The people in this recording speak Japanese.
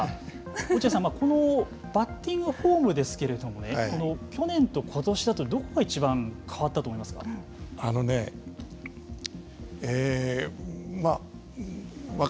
落合さんこのバッティングフォームですけれども去年と、ことしだとどこがいちばん変わったと思いますか。